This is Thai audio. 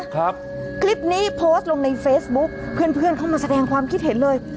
คลิปนี้โพสต์ลงในเฟซบุ๊คเพื่อนเพื่อนเข้ามาแสดงความคิดเห็นเลย